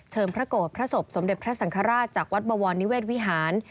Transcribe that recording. พระโกรธพระศพสมเด็จพระสังฆราชจากวัดบวรนิเวศวิหาร